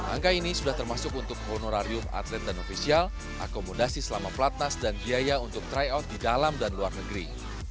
angka ini sudah termasuk untuk honorarium atlet dan ofisial akomodasi selama platnas dan biaya untuk tryout di dalam dan luar negeri